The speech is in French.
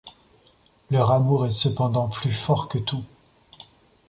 Leur amour est cependant plus fort que tout.